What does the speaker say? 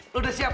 lu udah siap